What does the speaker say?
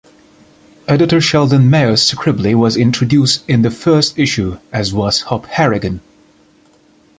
Editor Sheldon Mayer's Scribbly was introduced in the first issue as was Hop Harrigan.